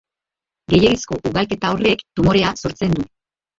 Gehiegizko ugalketa horrek tumorea sortzen du.